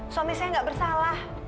suami saya nggak bersalah